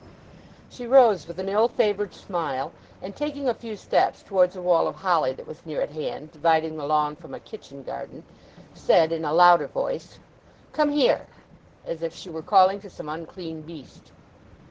She rose with an ill favoured smile, and taking a few steps towards a wall of holly that was near at hand, dividing the lawn from a kitchen garden, said, in a louder voice, 'Come here!' as if she were calling to some unclean beast.